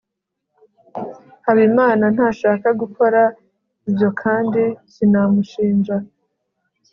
habimana ntashaka gukora ibyo kandi sinamushinja